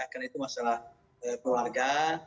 karena itu masalah keluarga